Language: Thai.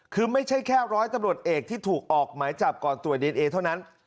คือไม่ใช่แค่ร้อยตำรวจเอกที่ถูกออกหมายจับก่อนตรวจดีเอนเอเท่านั้น